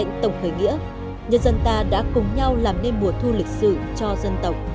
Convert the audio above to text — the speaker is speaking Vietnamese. và lệnh tổng khởi nghĩa nhân dân ta đã cùng nhau làm nên mùa thu lịch sự cho dân tộc